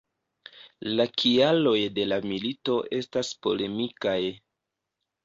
La kialoj de la milito estas polemikaj.